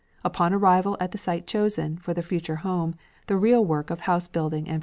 Upon arrival at the site chosen for the future home, the real work of house building and furnishing began.